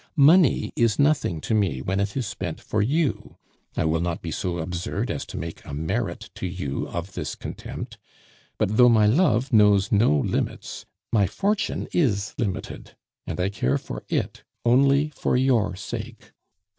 Money is nothing to me when it is spent for you; I will not be so absurd as to make a merit to you of this contempt; but though my love knows no limits, my fortune is limited, and I care for it only for your sake.